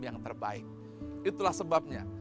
yang terbaik itulah sebabnya